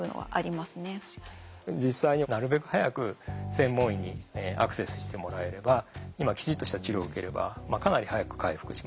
実際になるべく早く専門医にアクセスしてもらえれば今きちっとした治療を受ければかなり早く回復します。